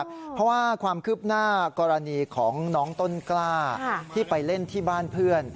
เพราะว่าความคืบหน้ากรณีของน้องต้นกล้าที่ไปเล่นที่บ้านเพื่อน